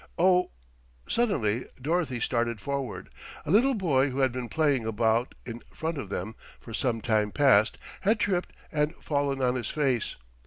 "Oh " Suddenly Dorothy started forward. A little boy who had been playing about in front of them for some time past, had tripped and fallen on his face.